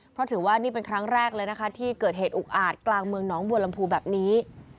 เพราะถือว่านี่เป็นครั้งแรกเลยนะคะที่เกิดเหตุอุกอาจกลางเมืองหนองบัวลำพูแบบนี้